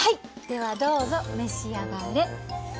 ではどうぞ召し上がれ。